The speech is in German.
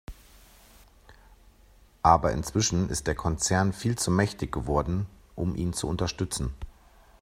Aber inzwischen ist der Konzern viel zu mächtig geworden, um ihn zu unterstützen.